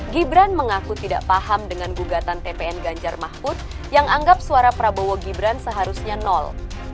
gibran mengaku tidak paham dengan gugatan tpn ganjar mahfud yang anggap suara prabowo gibran seharusnya nol